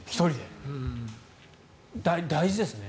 大事ですね。